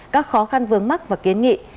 các khó khăn vướng mắc và kiến nghị